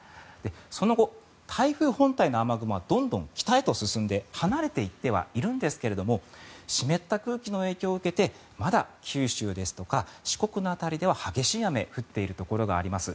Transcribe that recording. その後、台風本体の雨雲はどんどん北へと進んで離れていってはいるんですけれど湿った空気の影響を受けてまだ九州ですとか四国の辺りでは激しい雨が降っているところがあります。